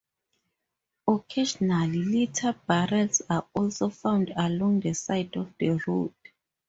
Occasionally, litter barrels are also found along the side of the road.